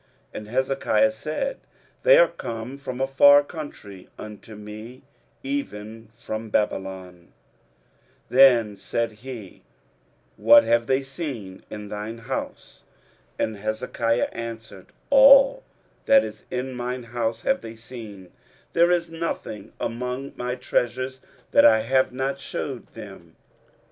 And Hezekiah said, They are come from a far country unto me, even from Babylon. 23:039:004 Then said he, What have they seen in thine house? And Hezekiah answered, All that is in mine house have they seen: there is nothing among my treasures that I have not shewed them.